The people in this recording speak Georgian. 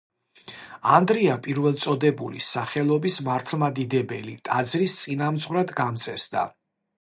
ანდრია პირველწოდებულის სახელობის მართლმადიდებელი ტაძრის წინამძღვრად გამწესდა.